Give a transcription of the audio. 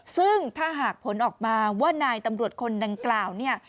ซึ่งถ้าหากผลออกมาว่านายตำรวจคนดังกล่าวเนี่ย